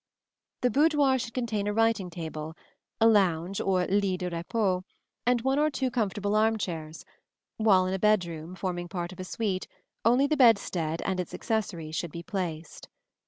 The boudoir should contain a writing table, a lounge or lit de repos, and one or two comfortable arm chairs, while in a bedroom forming part of a suite only the bedstead and its accessories should be placed.